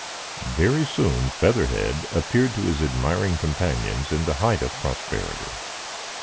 Very soon Featherhead appeared to his admiring companions in the height of prosperity.